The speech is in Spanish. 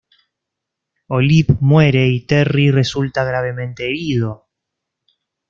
Olive muere y Terry resulta gravemente herido.